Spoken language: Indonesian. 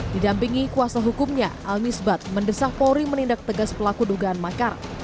didampingi kuasa hukumnya almisbat mendesahwori menindak tegas pelaku dugaan makar